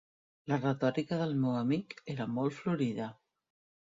La retòrica del meu amic era molt florida.